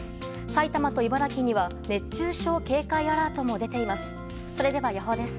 埼玉と茨城には熱中症警戒アラートも出ています。